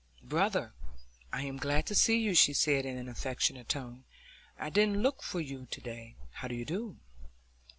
"Brother, I'm glad to see you," she said, in an affectionate tone. "I didn't look for you to day. How do you do?"